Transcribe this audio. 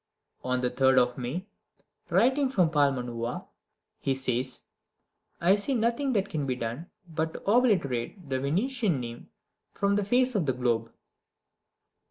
On the 3d of May, writing from Palma Nuova, he says: "I see nothing that can be done but to obliterate the Venetian name from the face of the globe."